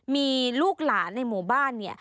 มีลูกหลานในหมู่บ้าน